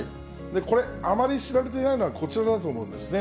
これ、あまり知られていないのは、こちらだと思うんですね。